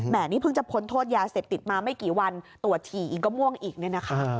นี่เพิ่งจะพ้นโทษยาเสพติดมาไม่กี่วันตรวจฉี่เองก็ม่วงอีกเนี่ยนะคะ